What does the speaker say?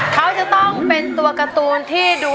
เขาจะต้องเป็นตัวการ์ตูนที่ดู